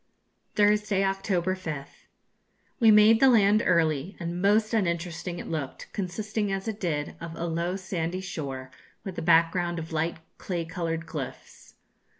Thursday, October 5th. We made the land early, and most uninteresting it looked, consisting, as it did, of a low sandy shore, with a background of light clay coloured cliffs.